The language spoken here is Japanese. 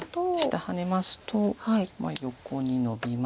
下ハネますと横にノビまして。